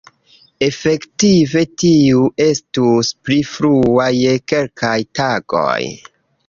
Efektive tiu estus pli frua je kelkaj tagoj.